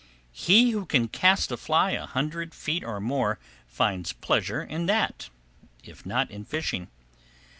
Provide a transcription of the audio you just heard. He who can cast a fly a hundred feet or more finds pleasure in that, if not in fishing.